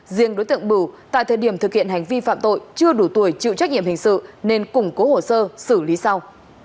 riêng đối tượng bửu tại thời điểm thực hiện hành vi phạm tội chưa đủ tuổi chịu trách nhiệm hình sự nên củng cố hồ sơ xử lý sau